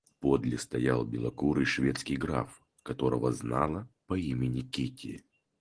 Подле стоял белокурый шведский граф, которого знала по имени Кити.